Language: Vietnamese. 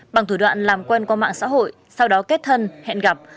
bằng thủ đoạn làm quen qua mạng xã hội sau đó kết thân hẹn gặp